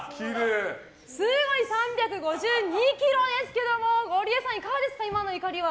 すごい、３５２ｋｇですけどゴリエさん、いかがですか今の怒りは。